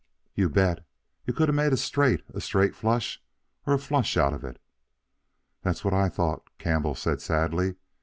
"You bet! You could a' made a straight, a straight flush, or a flush out of it." "That's what I thought," Campbell said sadly.